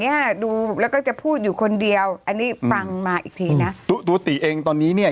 เนี้ยดูแล้วก็จะพูดอยู่คนเดียวอันนี้ฟังมาอีกทีนะตัวตัวตีเองตอนนี้เนี่ย